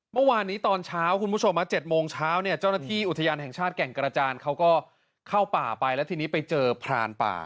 เมื่อวานนี้ตอนเช้าคุณผู้ชม๗โมงเช้าเนี่ยเจ้าหน้าที่อุทยานแห่งชาติแก่งกระจานเขาก็เข้าป่าไปแล้วทีนี้ไปเจอพรานป่า